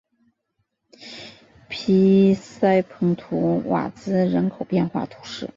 皮伊塞蓬图瓦兹人口变化图示